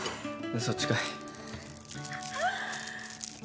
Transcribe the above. そっちかい。